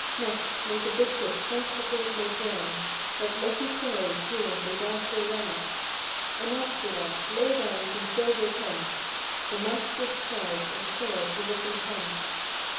Next, like a bishop consecrate my ground, That lucky fairies here may dance their round; And, after that, lay down some silver pence, The master's charge and care to recompence.